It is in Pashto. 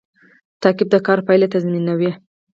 تعقیب د کار پایله تضمینوي